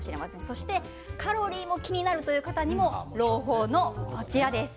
そしてカロリーも気になるという方にも朗報のこちらです。